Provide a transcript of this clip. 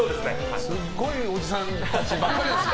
すごいおじさんたちばかりですね。